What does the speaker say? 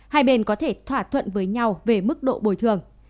hai bên có thể thỏa thuận với nhau về mức độ bồi thường